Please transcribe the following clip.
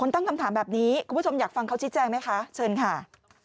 ตั้งคำถามแบบนี้คุณผู้ชมอยากฟังเขาชี้แจงไหมคะเชิญค่ะ